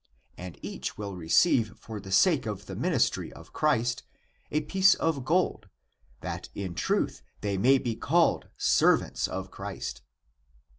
And each will receive for the sake of the ministry (of Christ) a piece of gold, that in truth they may be called servants of Christ.